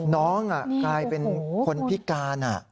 น้องกลายเป็นคนพิการ